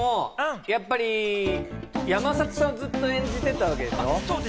山里さんをずっと演じてたわけでしょ？